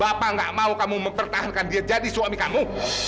bapak gak mau kamu mempertahankan dia jadi suami kamu